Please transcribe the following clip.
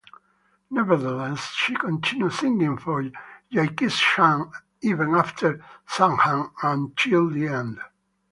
Nevertheless, she continued singing for Jaikishan even after "Sangam" and till the end.